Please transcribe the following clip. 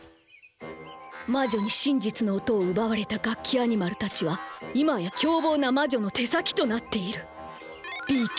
魔女に真実の音を奪われたガッキアニマルたちは今や凶暴な魔女の手先となっている。